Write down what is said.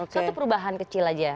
satu perubahan kecil aja